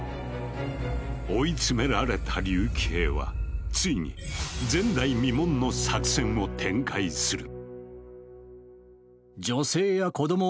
追い詰められた竜騎兵はついに前代未聞の作戦を展開する。